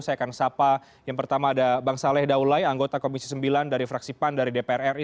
saya akan sapa yang pertama ada bang saleh daulai anggota komisi sembilan dari fraksi pan dari dpr ri